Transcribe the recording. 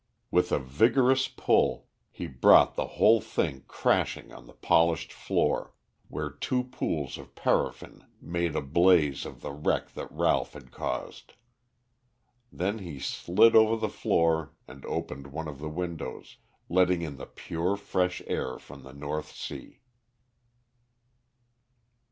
With a vigorous pull he brought the whole thing crashing on the polished floor, where two pools of paraffin made a blaze of the wreck that Ralph had caused. Then he slid over the floor and opened one of the windows, letting in the pure air fresh from the North Sea.